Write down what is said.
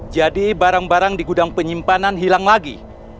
jadi barang barang di gudang penyimpanan hilang lagi